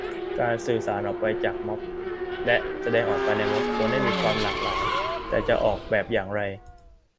การสื่อสารออกไปจากม็อบ และแสดงออกภายในม็อบ ควรให้มีความหลากหลาย แต่จะออกแบบอย่างไร